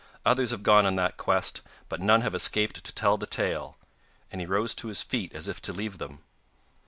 Others have gone on that quest, but none have escaped to tell the tale,' and he rose to his feet as if to leave them.